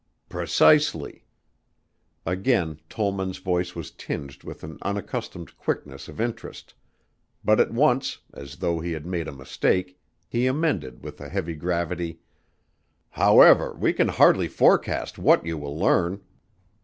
"Precisely." Again Tollman's voice was tinged with an unaccustomed quickness of interest, but at once, as though he had made a mistake, he amended with a heavy gravity, "However, we can hardly forecast what you will learn.